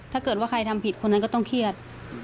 ถ้าเกิดว่าใครทำผิดคนนั้นก็ต้องเครียด